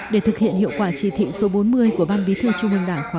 để thực hiện hiệu quả chỉ thị số bốn mươi của ban bí thư trung ương đảng khóa một mươi